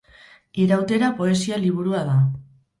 Irautera poesia liburua da.